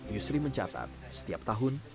yusri mencatat setiap tahun